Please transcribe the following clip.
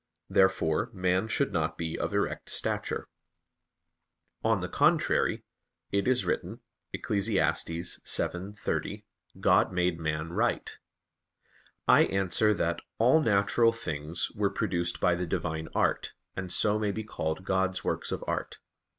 Therefore man should not be of erect stature. On the contrary, It is written (Eccles. 7:30): "God made man right." I answer that, All natural things were produced by the Divine art, and so may be called God's works of art.